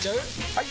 ・はい！